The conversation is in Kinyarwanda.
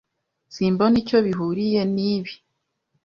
Simbona icyo bihuriye nibi.